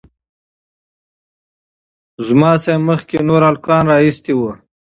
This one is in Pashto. له ما څخه مخکې نورو هلکانو رااېستى وو.